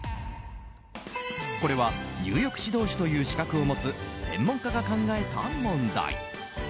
これは入浴指導士という資格を持つ専門家が考えた問題。